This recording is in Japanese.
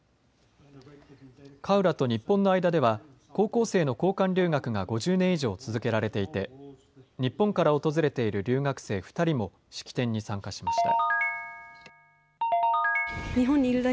カウラと日本の間では、高校生の交換留学が５０年以上続けられていて、日本から訪れている留学生２人も式典に参加しました。